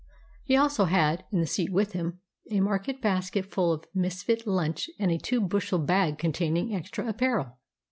He also had, in the seat with him, a market basket full of misfit lunch and a two bushel bag containing extra apparel.